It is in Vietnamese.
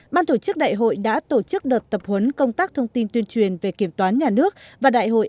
ban tổ chức đại hội đã tổ chức đợt tập huấn công tác thông tin tuyên truyền về kiểm toán nhà nước và đại hội asosi một mươi bốn